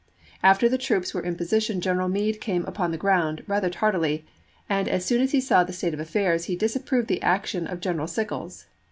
2 After the troops were in position General Meade came upon the ground, rather tardily, and as soon as he saw the state of affairs he disapproved the action of General Sickles.